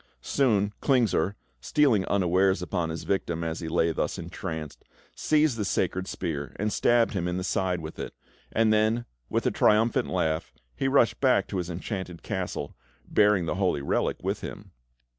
Soon, Klingsor, stealing unawares upon his victim, as he lay thus entranced, seized the sacred spear and stabbed him in the side with it; and then, with a triumphant laugh, he rushed back to his Enchanted Castle, bearing the holy relic with him.